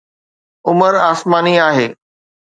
عمر آسماني آهي